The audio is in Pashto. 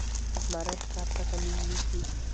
زمری ښکار ته کمین نیسي.